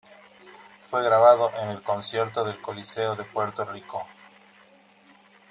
Fue grabado en el concierto del Coliseo de Puerto Rico.